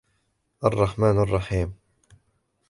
الرحمن الرحيم